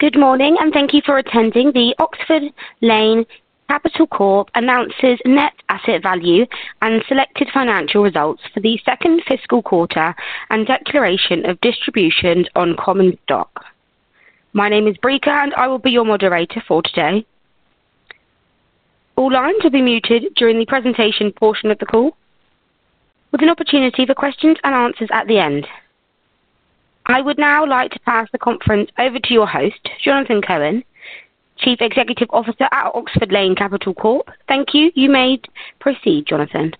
Good morning, and thank you for attending the Oxford Lane Capital Corp. announces net asset value and selected financial results for the second fiscal quarter and declaration of distributions on common stock. My name is Brika, and I will be your moderator for today. All lines will be muted during the presentation portion of the call, with an opportunity for questions and answers at the end. I would now like to pass the conference over to your host, Jonathan Cohen, Chief Executive Officer at Oxford Lane Capital Corp. Thank you. You may proceed, Jonathan.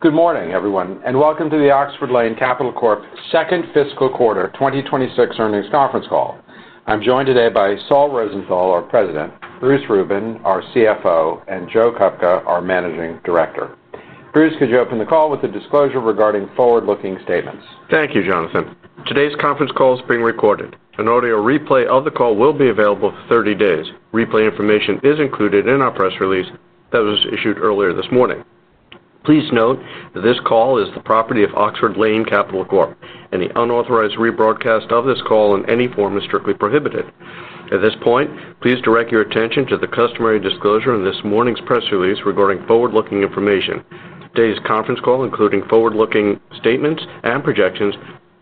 Good morning, everyone, and welcome to the Oxford Lane Capital Corp. second fiscal quarter 2026 earnings conference call. I'm joined today by Saul Rosenthal, our President, Bruce Rubin, our CFO, and Joe Kupka, our Managing Director. Bruce, could you open the call with a disclosure regarding forward-looking statements? Thank you, Jonathan. Today's conference calls are being recorded. An audio replay of the call will be available for 30 days. Replay information is included in our press release that was issued earlier this morning. Please note that this call is the property of Oxford Lane Capital Corp., and the unauthorized rebroadcast of this call in any form is strictly prohibited. At this point, please direct your attention to the customary disclosure in this morning's press release regarding forward-looking information. Today's conference call, including forward-looking statements and projections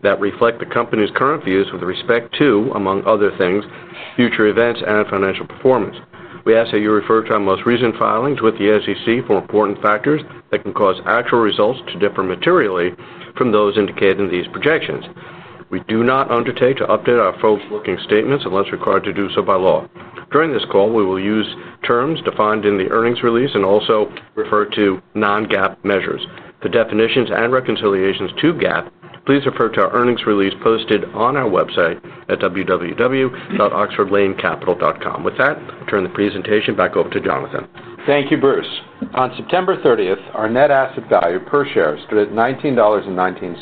that reflect the company's current views with respect to, among other things, future events and financial performance. We ask that you refer to our most recent filings with the SEC for important factors that can cause actual results to differ materially from those indicated in these projections. We do not undertake to update our forward-looking statements unless required to do so by law. During this call, we will use terms defined in the earnings release and also refer to non-GAAP measures. For definitions and reconciliations to GAAP, please refer to our earnings release posted on our website at www.oxfordlanecapital.com. With that, I turn the presentation back over to Jonathan. Thank you, Bruce. On September 30th, our net asset value per share stood at $19.19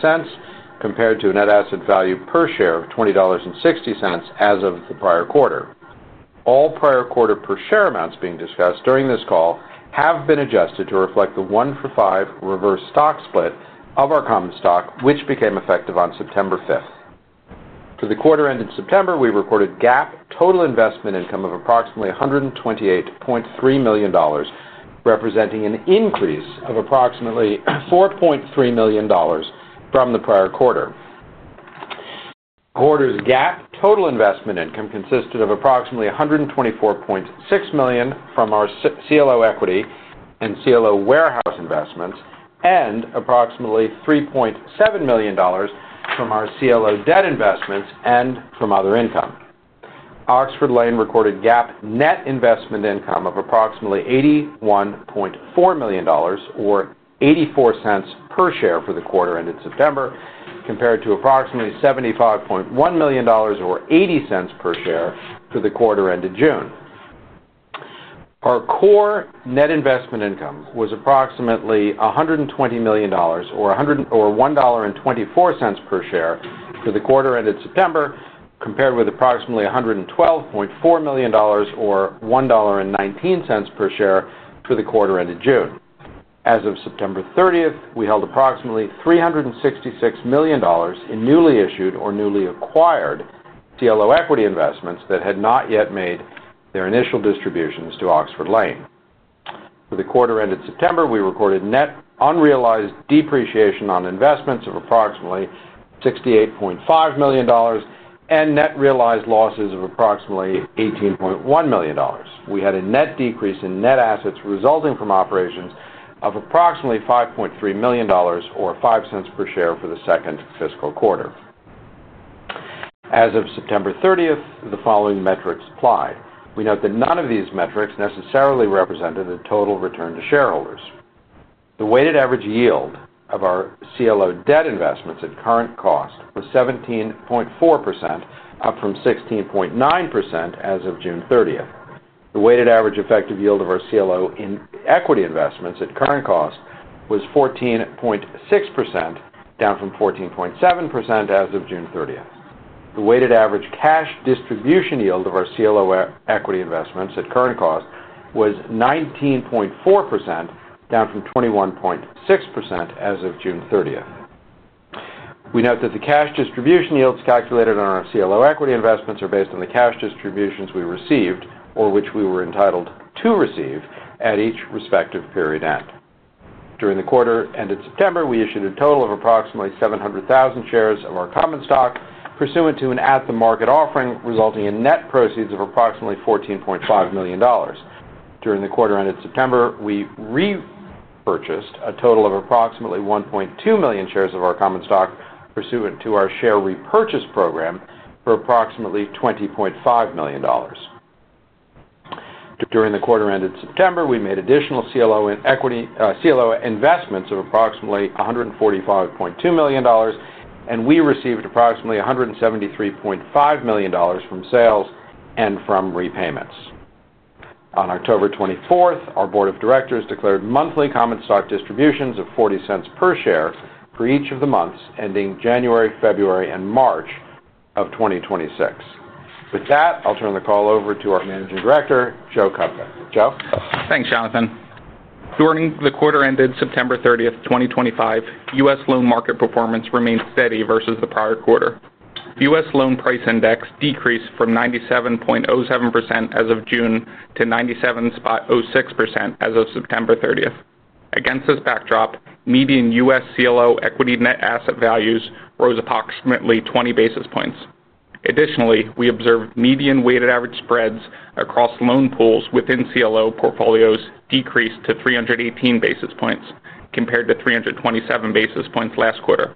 compared to a net asset value per share of $20.60 as of the prior quarter. All prior quarter per share amounts being discussed during this call have been adjusted to reflect the one-for-five reverse stock split of our common stock, which became effective on September 5th. For the quarter ended September, we recorded GAAP total investment income of approximately $128.3 million, representing an increase of approximately $4.3 million from the prior quarter. The quarter's GAAP total investment income consisted of approximately $124.6 million from our CLO equity and CLO warehouse investments and approximately $3.7 million from our CLO debt investments and from other income. Oxford Lane recorded GAAP net investment income of approximately $81.4 million, or $0.84 per share for the quarter ended September, compared to approximately $75.1 million, or $0.80 per share for the quarter ended June. Our core net investment income was approximately $120 million, or $1.24 per share for the quarter ended September, compared with approximately $112.4 million, or $1.19 per share for the quarter ended June. As of September 30th, we held approximately $366 million in newly issued or newly acquired CLO equity investments that had not yet made their initial distributions to Oxford Lane. For the quarter ended September, we recorded net unrealized depreciation on investments of approximately $68.5 million and net realized losses of approximately $18.1 million. We had a net decrease in net assets resulting from operations of approximately $5.3 million, or $0.05 per share for the second fiscal quarter. As of September 30th, the following metrics apply. We note that none of these metrics necessarily represented a total return to shareholders. The weighted average yield of our CLO debt investments at current cost was 17.4%, up from 16.9% as of June 30th. The weighted average effective yield of our CLO equity investments at current cost was 14.6%, down from 14.7% as of June 30th. The weighted average cash distribution yield of our CLO equity investments at current cost was 19.4%, down from 21.6% as of June 30th. We note that the cash distribution yields calculated on our CLO equity investments are based on the cash distributions we received or which we were entitled to receive at each respective period end. During the quarter ended September, we issued a total of approximately 700,000 shares of our common stock, pursuant to an at-the-market offering resulting in net proceeds of approximately $14.5 million. During the quarter ended September, we repurchased a total of approximately 1.2 million shares of our common stock, pursuant to our share repurchase program for approximately $20.5 million. During the quarter ended September, we made additional CLO investments of approximately $145.2 million, and we received approximately $173.5 million from sales and from repayments. On October 24th, our board of directors declared monthly common stock distributions of $0.40 per share for each of the months ending January, February, and March of 2026. With that, I'll turn the call over to our Managing Director, Joe Kupka. Joe. Thanks, Jonathan. During the quarter ended September 30, 2025, U.S. loan market performance remained steady versus the prior quarter. The U.S. loan price index decreased from 97.07% as of June to 97.06% as of September 30th. Against this backdrop, median U.S. CLO equity net asset values rose approximately 20 basis points. Additionally, we observed median weighted average spreads across loan pools within CLO portfolios decrease to 318 basis points compared to 327 basis points last quarter.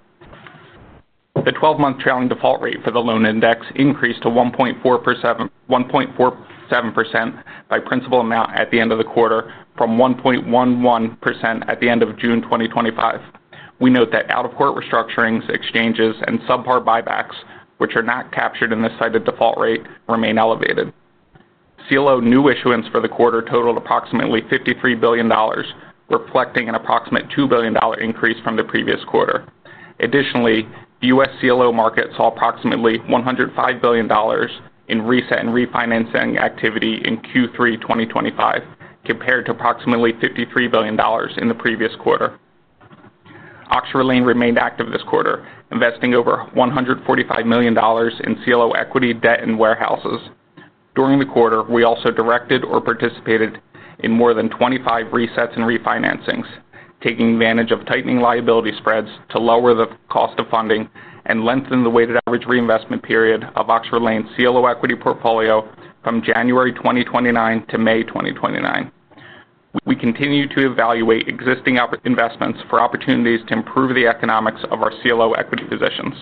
The 12-month trailing default rate for the loan index increased to 1.47% by principal amount at the end of the quarter from 1.11% at the end of June 2025. We note that out-of-court restructurings, exchanges, and subpar buybacks, which are not captured in this cited default rate, remain elevated. CLO new issuance for the quarter totaled approximately $53 billion, reflecting an approximate $2 billion increase from the previous quarter. Additionally, the U.S. CLO market saw approximately $105 billion in reset and refinancing activity in Q3 2025 compared to approximately $53 billion in the previous quarter. Oxford Lane remained active this quarter, investing over $145 million in CLO equity, debt, and warehouses. During the quarter, we also directed or participated in more than 25 resets and refinancings, taking advantage of tightening liability spreads to lower the cost of funding and lengthen the weighted average reinvestment period of Oxford Lane's CLO equity portfolio from January 2029 to May 2029. We continue to evaluate existing investments for opportunities to improve the economics of our CLO equity positions.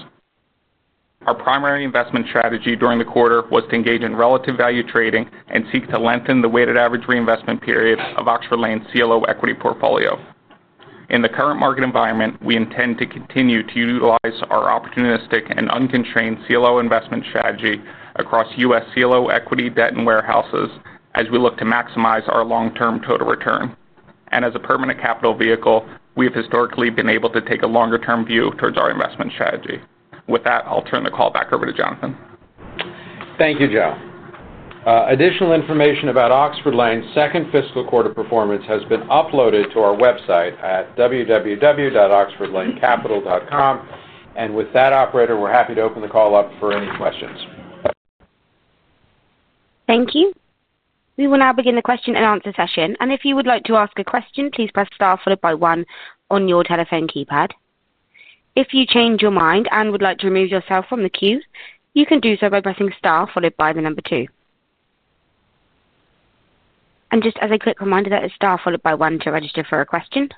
Our primary investment strategy during the quarter was to engage in relative value trading and seek to lengthen the weighted average reinvestment period of Oxford Lane's CLO equity portfolio. In the current market environment, we intend to continue to utilize our opportunistic and unconstrained CLO investment strategy across U.S. CLO equity, debt, and warehouses as we look to maximize our long-term total return. As a permanent capital vehicle, we have historically been able to take a longer-term view towards our investment strategy. With that, I'll turn the call back over to Jonathan. Thank you, Joe. Additional information about Oxford Lane's second fiscal quarter performance has been uploaded to our website at www.oxfordlanecapital.com. With that, operator, we're happy to open the call up for any questions. Thank you. We will now begin the question and answer session. If you would like to ask a question, please press star followed by one on your telephone keypad. If you change your mind and would like to remove yourself from the queue, you can do so by pressing star followed by the number two. Just as a quick reminder, it is star followed by one to register for a question.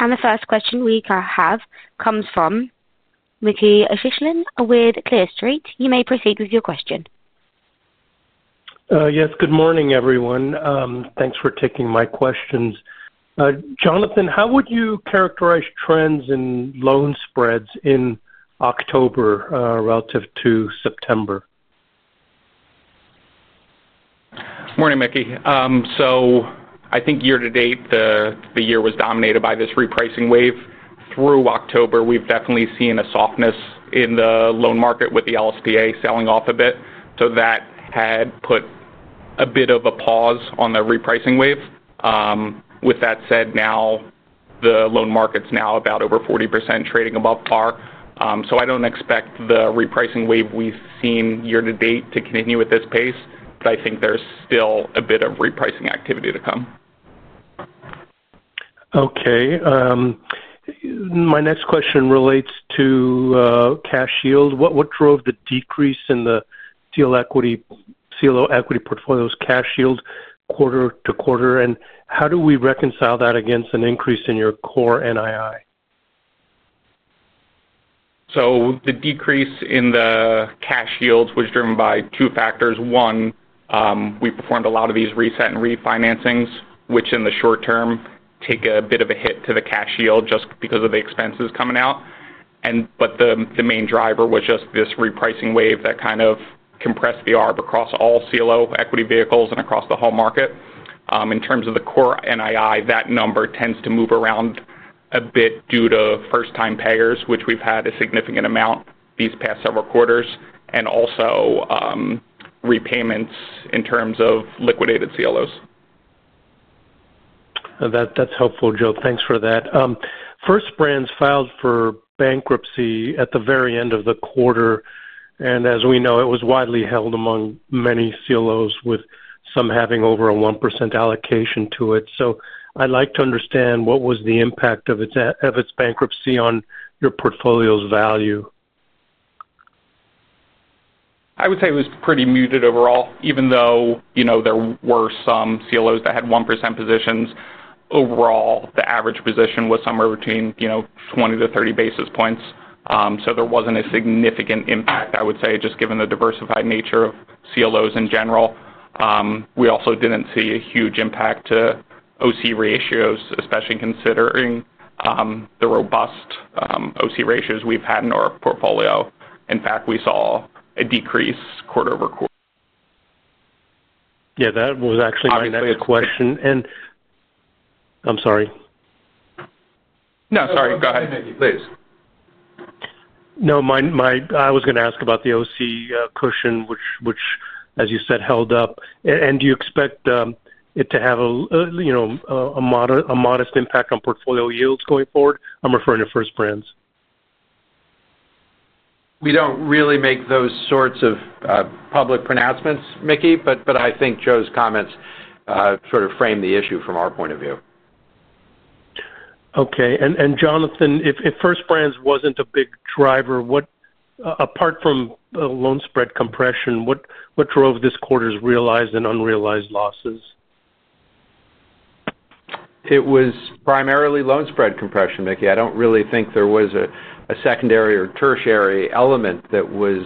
The first question we have comes from Mickey Schleien with Clear Street. You may proceed with your question. Yes. Good morning, everyone. Thanks for taking my questions. Jonathan, how would you characterize trends in loan spreads in October relative to September? Morning, Mickey. I think year to date, the year was dominated by this repricing wave. Through October, we've definitely seen a softness in the loan market with the LSTA selling off a bit. That had put a bit of a pause on the repricing wave. With that said, the loan market's now about over 40% trading above par. I don't expect the repricing wave we've seen year to date to continue at this pace, but I think there's still a bit of repricing activity to come. Okay. My next question relates to cash yield. What drove the decrease in the CLO equity portfolio's cash yield quarter to quarter? How do we reconcile that against an increase in your core NII? The decrease in the cash yield was driven by two factors. One, we performed a lot of these reset and refinancings, which in the short term take a bit of a hit to the cash yield just because of the expenses coming out. The main driver was just this repricing wave that kind of compressed the ARB across all CLO equity vehicles and across the whole market. In terms of the core NII, that number tends to move around a bit due to first-time payers, which we've had a significant amount these past several quarters, and also repayments in terms of liquidated CLOs. That's helpful, Joe. Thanks for that. First Brands filed for bankruptcy at the very end of the quarter. As we know, it was widely held among many CLOs, with some having over a 1% allocation to it. I'd like to understand what was the impact of its bankruptcy on your portfolio's value. I would say it was pretty muted overall, even though there were some CLOs that had 1% positions. Overall, the average position was somewhere between 20-30 basis points. So there wasn't a significant impact, I would say, just given the diversified nature of CLOs in general. We also didn't see a huge impact to OC ratios, especially considering the robust OC ratios we've had in our portfolio. In fact, we saw a decrease quarter-over-quarter. Yeah. That was actually my next question. I'm sorry. No, sorry. Go ahead. Go ahead, Mickey, please. No, I was going to ask about the OC cushion, which, as you said, held up. Do you expect it to have a modest impact on portfolio yields going forward? I'm referring to First Brands. We don't really make those sorts of public pronouncements, Mickey, but I think Joe's comments sort of frame the issue from our point of view. Okay. Jonathan, if First Brands was not a big driver, apart from loan spread compression, what drove this quarter's realized and unrealized losses? It was primarily loan spread compression, Mickey. I do not really think there was a secondary or tertiary element that was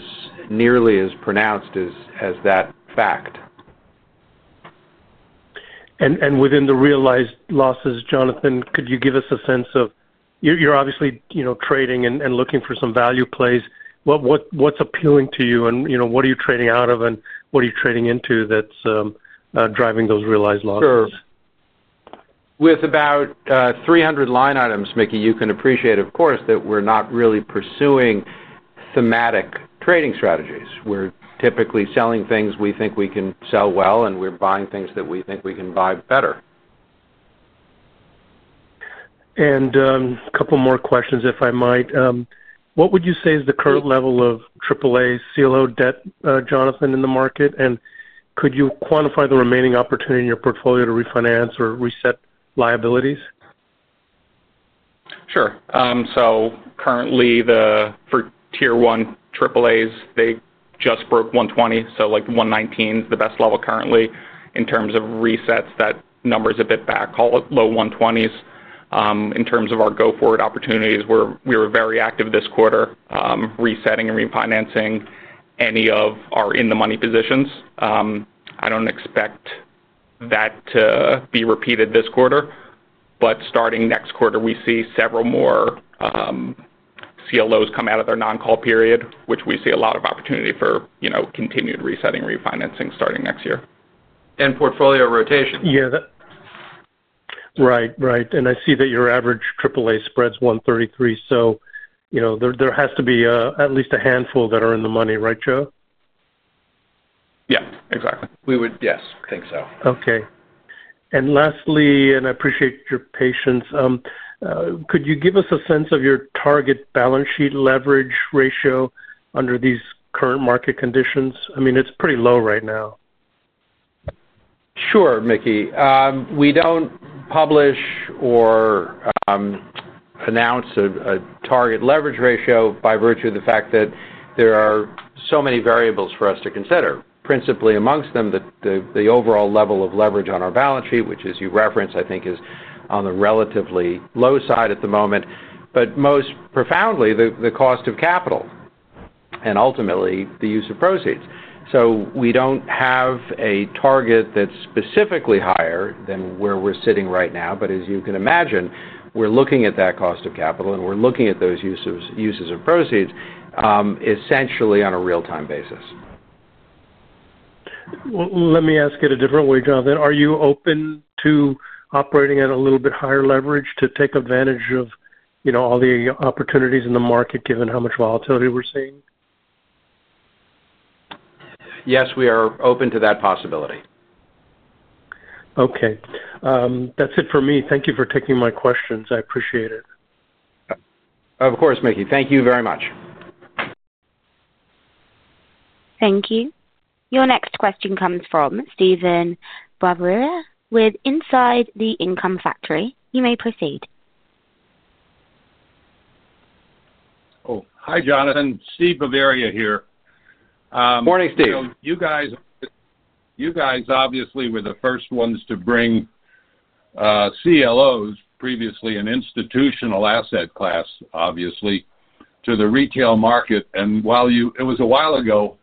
nearly as pronounced as that fact. Within the realized losses, Jonathan, could you give us a sense of, you're obviously trading and looking for some value plays. What's appealing to you? What are you trading out of? What are you trading into that's driving those realized losses? Sure. With about 300 line items, Mickey, you can appreciate, of course, that we're not really pursuing thematic trading strategies. We're typically selling things we think we can sell well, and we're buying things that we think we can buy better. A couple more questions, if I might. What would you say is the current level of triple A CLO debt, Jonathan, in the market? Could you quantify the remaining opportunity in your portfolio to refinance or reset liabilities? Sure. So currently, for tier one triple A's, they just broke 120. So 119 is the best level currently. In terms of resets, that number is a bit back, low 120s. In terms of our go-forward opportunities, we were very active this quarter resetting and refinancing any of our in-the-money positions. I do not expect that to be repeated this quarter. Starting next quarter, we see several more CLOs come out of their non-call period, which we see a lot of opportunity for continued resetting and refinancing starting next year. Portfolio rotation. Yeah. Right. Right. I see that your average triple A spread is 133. There has to be at least a handful that are in the money, right, Joe? Yeah. Exactly. We would, yes, think so. Okay. And lastly, and I appreciate your patience. Could you give us a sense of your target balance sheet leverage ratio under these current market conditions? I mean, it's pretty low right now. Sure, Mickey. We do not publish or announce a target leverage ratio by virtue of the fact that there are so many variables for us to consider. Principally, amongst them, the overall level of leverage on our balance sheet, which, as you referenced, I think, is on the relatively low side at the moment. Most profoundly, the cost of capital. Ultimately, the use of proceeds. We do not have a target that is specifically higher than where we are sitting right now. As you can imagine, we are looking at that cost of capital, and we are looking at those uses of proceeds essentially on a real-time basis. Let me ask it a different way, Jonathan. Are you open to operating at a little bit higher leverage to take advantage of all the opportunities in the market, given how much volatility we're seeing? Yes, we are open to that possibility. Okay. That's it for me. Thank you for taking my questions. I appreciate it. Of course, Mickey. Thank you very much. Thank you. Your next question comes from Steven Bavaria with Inside the Income Factory. You may proceed. Oh, hi, Jonathan. Steve Bavaria here. Morning, Steve. You guys obviously were the first ones to bring CLOs, previously an institutional asset class, obviously, to the retail market. And it was a while ago,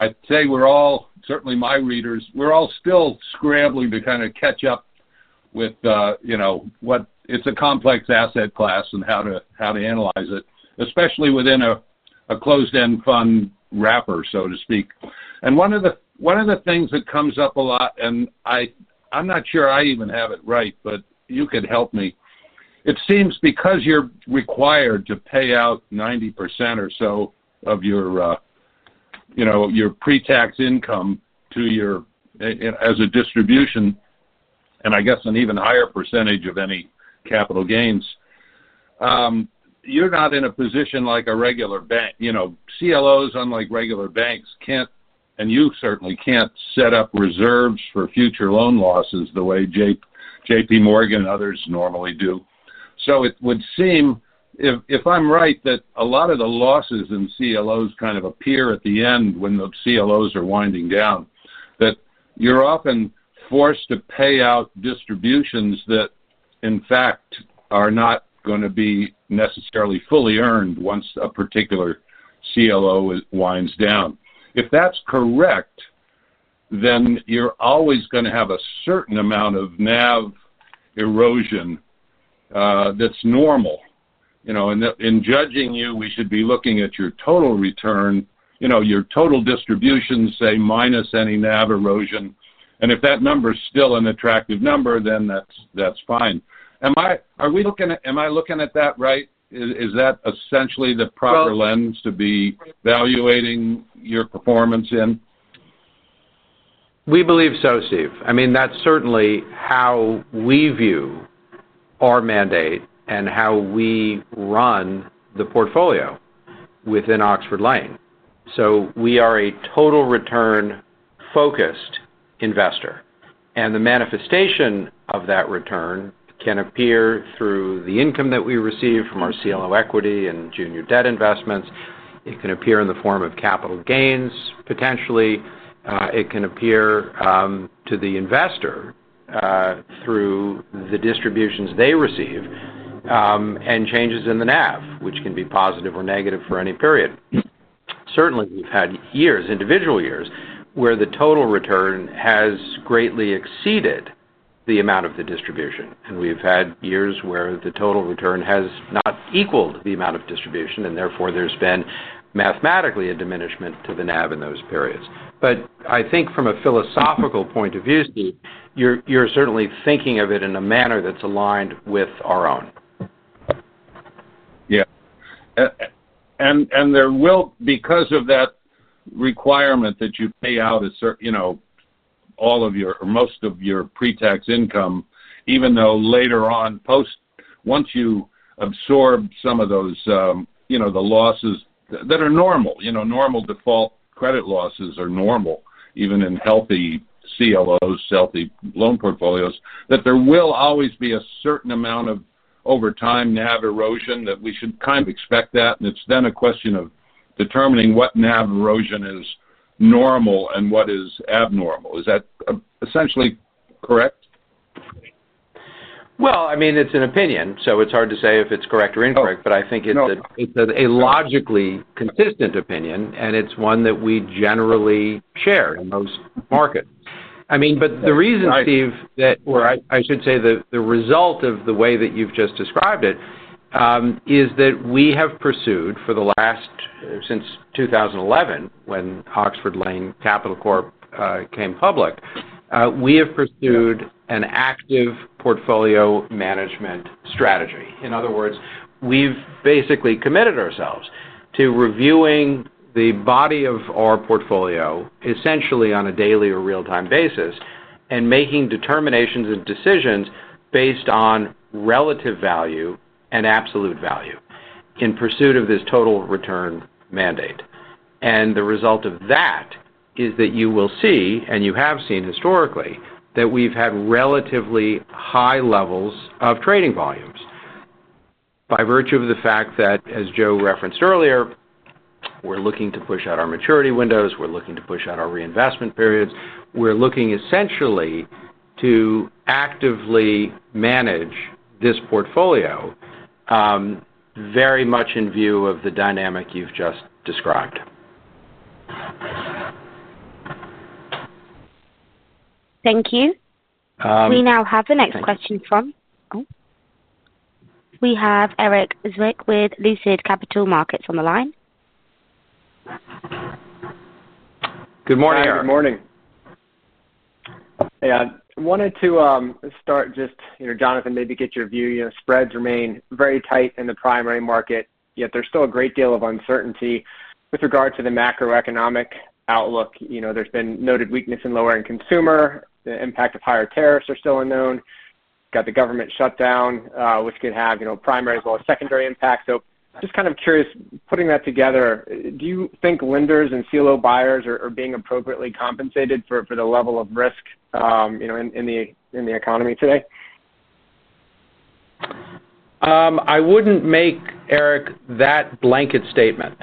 I'd say we're all, certainly my readers, we're all still scrambling to kind of catch up with what is a complex asset class and how to analyze it, especially within a closed-end fund wrapper, so to speak. One of the things that comes up a lot, and I'm not sure I even have it right, but you could help me. It seems because you're required to pay out 90% or so of your pre-tax income to your—as a distribution, and I guess an even higher percentage of any capital gains, you're not in a position like a regular bank. CLOs, unlike regular banks, can't—and you certainly can't—set up reserves for future loan losses the way JPMorgan and others normally do. It would seem, if I'm right, that a lot of the losses in CLOs kind of appear at the end when the CLOs are winding down, that you're often forced to pay out distributions that, in fact, are not going to be necessarily fully earned once a particular CLO winds down. If that's correct, then you're always going to have a certain amount of NAV erosion. That's normal. In judging you, we should be looking at your total return, your total distributions, say, minus any NAV erosion. If that number is still an attractive number, then that's fine. Are we looking at—am I looking at that right? Is that essentially the proper lens to be evaluating your performance in? We believe so, Steve. I mean, that's certainly how we view our mandate and how we run the portfolio within Oxford Lane. We are a total return-focused investor. The manifestation of that return can appear through the income that we receive from our CLO equity and junior debt investments. It can appear in the form of capital gains, potentially. It can appear to the investor through the distributions they receive and changes in the NAV, which can be positive or negative for any period. Certainly, we've had individual years where the total return has greatly exceeded the amount of the distribution. We've had years where the total return has not equaled the amount of distribution, and therefore, there's been mathematically a diminishment to the NAV in those periods. I think from a philosophical point of view, Steve, you're certainly thinking of it in a manner that's aligned with our own. Yeah. Because of that requirement that you pay out all of your or most of your pre-tax income, even though later on, once you absorb some of those, the losses that are normal, normal default credit losses are normal, even in healthy CLOs, healthy loan portfolios, that there will always be a certain amount of overtime NAV erosion that we should kind of expect that. It's then a question of determining what NAV erosion is normal and what is abnormal. Is that essentially correct? I mean, it's an opinion. So it's hard to say if it's correct or incorrect. I think it's a logically consistent opinion. It's one that we generally share in most markets. The reason, Steve, that—or I should say the result of the way that you've just described it is that we have pursued for the last—since 2011, when Oxford Lane Capital Corp. came public—we have pursued an active portfolio management strategy. In other words, we've basically committed ourselves to reviewing the body of our portfolio essentially on a daily or real-time basis and making determinations and decisions based on relative value and absolute value in pursuit of this total return mandate. The result of that is that you will see, and you have seen historically, that we've had relatively high levels of trading volumes. By virtue of the fact that, as Joe referenced earlier, we're looking to push out our maturity windows. We're looking to push out our reinvestment periods. We're looking essentially to actively manage this portfolio. Very much in view of the dynamic you've just described. Thank you. We now have the next question from—we have Erik Zwick with Lucid Capital Markets on the line. Good morning, Erik. Good morning. Yeah. I wanted to start just, Jonathan, maybe get your view. Spreads remain very tight in the primary market, yet there's still a great deal of uncertainty with regard to the macroeconomic outlook. There's been noted weakness in lower-end consumer. The impact of higher tariffs is still unknown. Got the government shutdown, which can have primary as well as secondary impacts. Just kind of curious, putting that together, do you think lenders and CLO buyers are being appropriately compensated for the level of risk in the economy today? I wouldn't make, Erik, that blanket statement.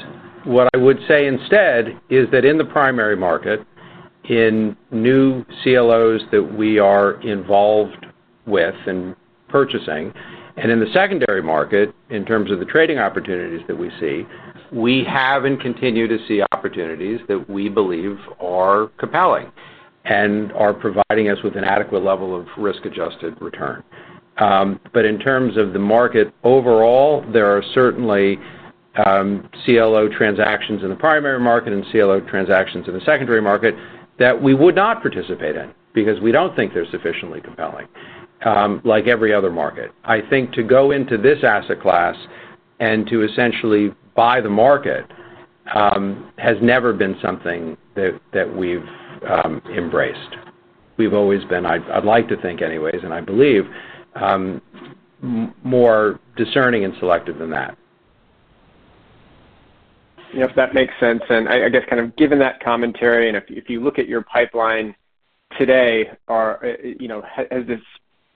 What I would say instead is that in the primary market, in new CLOs that we are involved with and purchasing, and in the secondary market, in terms of the trading opportunities that we see, we have and continue to see opportunities that we believe are compelling and are providing us with an adequate level of risk-adjusted return. In terms of the market overall, there are certainly CLO transactions in the primary market and CLO transactions in the secondary market that we would not participate in because we don't think they're sufficiently compelling, like every other market. I think to go into this asset class and to essentially buy the market has never been something that we've embraced. We've always been, I'd like to think anyways, and I believe, more discerning and selective than that. Yep. That makes sense. I guess kind of given that commentary, and if you look at your pipeline today, has the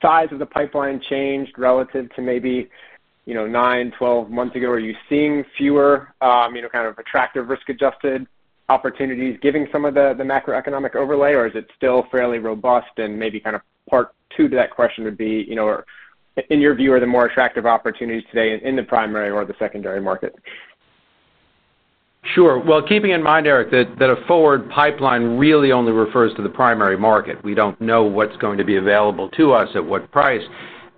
size of the pipeline changed relative to maybe 9, 12 months ago? Are you seeing fewer kind of attractive risk-adjusted opportunities given some of the macroeconomic overlay? Or is it still fairly robust? Maybe kind of part two to that question would be, in your view, are the more attractive opportunities today in the primary or the secondary market? Sure. Keeping in mind, Erik, that a forward pipeline really only refers to the primary market. We do not know what is going to be available to us at what price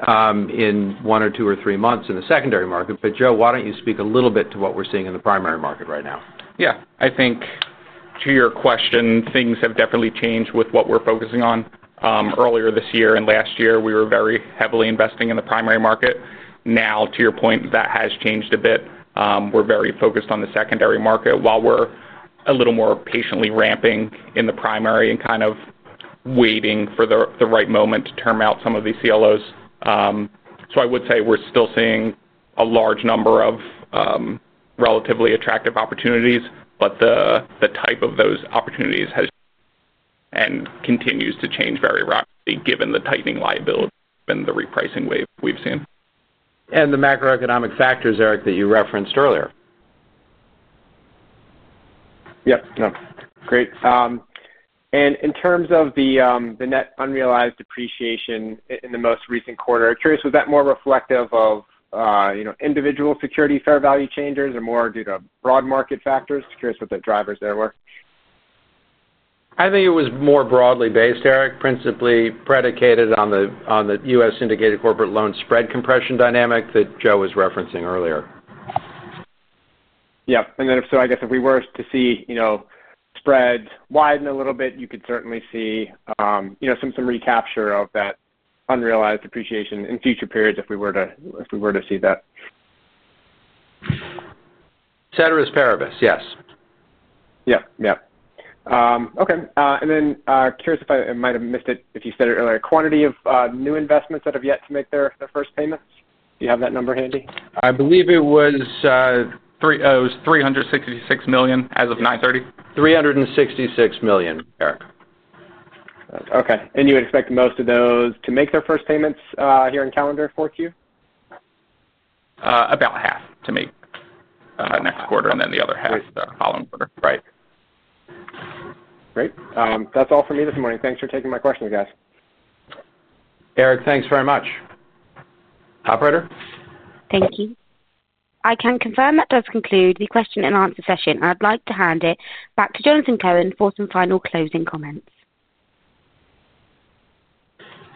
in one or two or three months in the secondary market. Joe, why do you not speak a little bit to what we are seeing in the primary market right now? Yeah. I think. To your question, things have definitely changed with what we're focusing on. Earlier this year and last year, we were very heavily investing in the primary market. Now, to your point, that has changed a bit. We're very focused on the secondary market while we're a little more patiently ramping in the primary and kind of. Waiting for the right moment to term out some of these CLOs. I would say we're still seeing a large number of. Relatively attractive opportunities. The type of those opportunities has. And continues to change very rapidly given the tightening liability and the repricing wave we've seen. The macroeconomic factors, Erik, that you referenced earlier. Yep. No. Great. In terms of the net unrealized depreciation in the most recent quarter, I'm curious, was that more reflective of individual security fair value changes or more due to broad market factors? Curious what the drivers there were. I think it was more broadly based, Erik, principally predicated on the U.S. syndicated corporate loan spread compression dynamic that Joe was referencing earlier. Yeah. I guess if we were to see spreads widen a little bit, you could certainly see some recapture of that unrealized depreciation in future periods if we were to see that. Ceteris paribus, yes. Yeah. Yeah. Okay. Curious if I might have missed it, if you said it earlier, quantity of new investments that have yet to make their first payments? Do you have that number handy? I believe it was $366 million as of 9/30. $366 million, Erik. Okay. You would expect most of those to make their first payments here in calendar 4Q? About half to make next quarter and then the other half the following quarter. Great. Great. That's all for me this morning. Thanks for taking my questions, guys. Erik, thanks very much. Operator. Thank you. I can confirm that does conclude the question and answer session. I would like to hand it back to Jonathan Cohen for some final closing comments.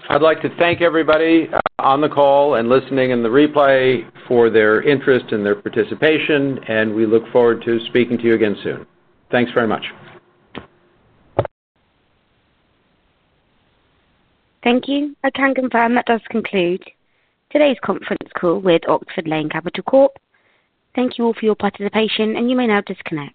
I'd like to thank everybody on the call and listening in the replay for their interest and their participation. We look forward to speaking to you again soon. Thanks very much. Thank you. I can confirm that does conclude today's conference call with Oxford Lane Capital. Thank you all for your participation. You may now disconnect.